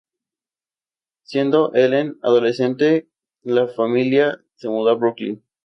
Siendo Helen adolescente, la familia se mudó a Brooklyn.